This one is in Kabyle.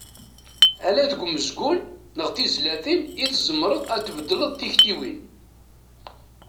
Ala deg umezgun neɣ tizlatin i tzemreḍ ad tbeddleḍ tiktiwin.